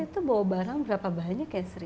itu bawa barang berapa banyak ya sri